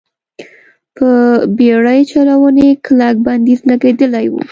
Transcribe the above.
پر بېړۍ چلونې کلک بندیز لګېدلی و.